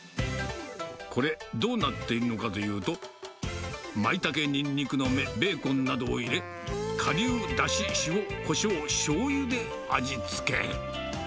これ、どうなってるのかというと、マイタケ、ニンニクの芽、ベーコンなどを入れ、顆粒だし、塩、こしょう、しょうゆで味付け。